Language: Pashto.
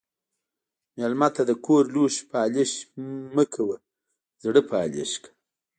مېلمه ته د کور لوښي پالش مه کوه، زړه پالش کړه.